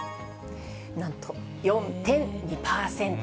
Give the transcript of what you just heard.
なんと４．２％。